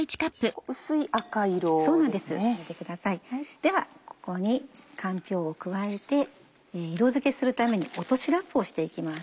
ではここにかんぴょうを加えて色づけするために落としラップをして行きます。